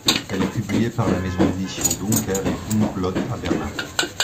Elle est publiée par la maison d'édition Duncker & Humblot à Berlin.